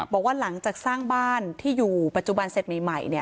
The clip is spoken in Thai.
บอกว่าหลังจากสร้างบ้านที่อยู่ปัจจุบันเสร็จใหม่